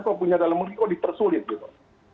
kalau punya dalam muli kok dipersulit gitu